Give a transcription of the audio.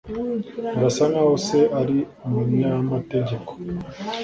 Birasa nkaho se ari umunyamategeko.